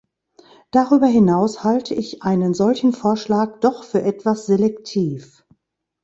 Darüber hinaus halte ich einen solchen Vorschlag doch für etwas selektiv.